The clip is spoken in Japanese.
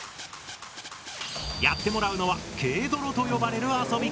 やってもらうのは「ケイドロ」と呼ばれる遊び方。